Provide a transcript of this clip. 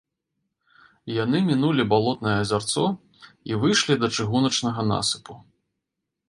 Яны мінулі балотнае азярцо і выйшлі да чыгуначнага насыпу.